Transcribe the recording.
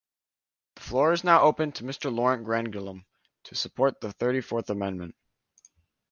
The floor is now open to Mr. Laurent Grandguillaume, to support the thirty-fourth amendment.